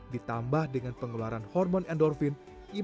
ditambah dengan pengeluaran hormon endorfin yang memacu rancangan